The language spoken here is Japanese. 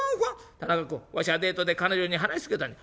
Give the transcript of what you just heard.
「田中君わしはデートで彼女に話し続けたんじゃ」。